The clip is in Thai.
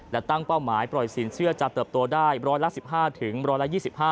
และตั้งเป้าหมายปล่อยสินเชื่อจะเติบโตได้ร้อยละ๑๕ถึง๑๒๕